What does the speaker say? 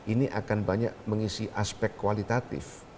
ini akan banyak mengisi aspek kualitatif